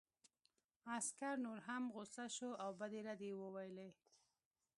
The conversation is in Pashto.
عسکر نور هم غوسه شو او بدې ردې یې وویلې